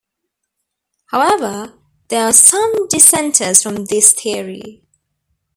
However, there are some dissenters from this theory.